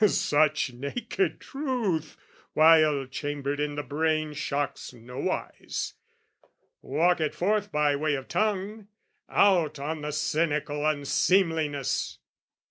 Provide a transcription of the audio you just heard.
Such naked truth while chambered in the brain Shocks nowise: walk it forth by way of tongue, Out on the cynical unseemliness!